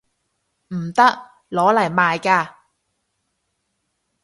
唔得！攞嚟賣㗎